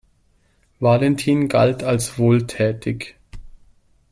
Valentin galt als wohltätig.